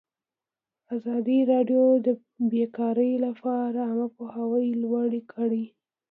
ازادي راډیو د بیکاري لپاره عامه پوهاوي لوړ کړی.